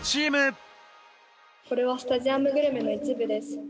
これはスタジアムグルメの一部です。